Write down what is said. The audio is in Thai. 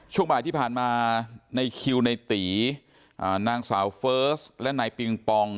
ช่วงบ่ายที่ผ่านมาในคิวในตีนางสาวเฟิร์สและนายปิงปอง